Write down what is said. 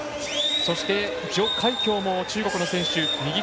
そして、徐海蛟も中国の選手。